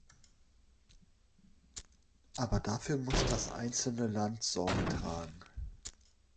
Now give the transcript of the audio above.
Aber dafür muss das einzelne Land Sorge tragen.